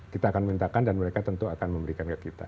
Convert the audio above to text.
kita akan mintakan dan mereka tentu akan memberikan ke kita